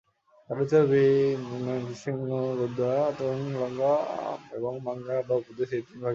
তার রচিত বি-মা-স্ন্যিং-থিগ গ্রন্থ মূলতঃ র্গ্যুদ বা তন্ত্র, লুং বা আগম এবং মান-ঙ্গাগ বা উপদেশ এই তিনভাগে বিভক্ত।